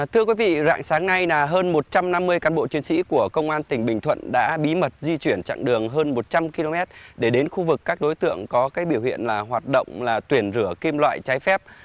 thưa quý vị rạng sáng nay là hơn một trăm năm mươi cán bộ chiến sĩ của công an tỉnh bình thuận đã bí mật di chuyển chặng đường hơn một trăm linh km để đến khu vực các đối tượng có cái biểu hiện là hoạt động là tuyển rửa kim loại trái phép